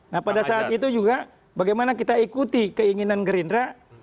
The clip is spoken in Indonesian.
nah pada saat itu juga bagaimana kita ikuti keinginan gerindra